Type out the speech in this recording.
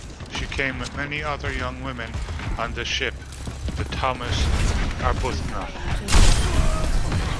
She came with many other young women on the ship the 'Thomas Arbuthnot'.